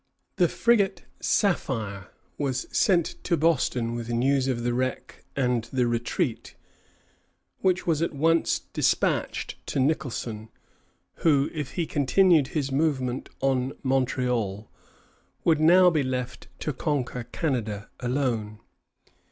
The frigate "Sapphire" was sent to Boston with news of the wreck and the retreat, which was at once despatched to Nicholson, who, if he continued his movement on Montreal, would now be left to conquer Canada alone.